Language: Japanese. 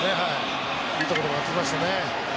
いいところ回ってきましたね。